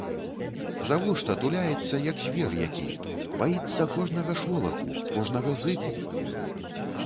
Завошта туляецца, як звер які, баіцца кожнага шолаху, кожнага зыку?